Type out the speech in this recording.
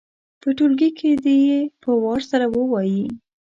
په ټولګي کې دې یې په وار سره ووايي.